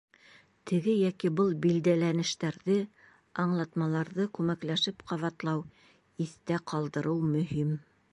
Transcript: Теге йәки был билдәләнештәрҙе, аңлатмаларҙы күмәкләшеп ҡабатлау, иҫтә ҡалдырыу мөһим.